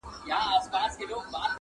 آذان پردی، چړي پردی وي خپل مُلا نه لري!!